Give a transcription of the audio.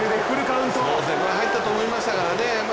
入ったと思いましたからね。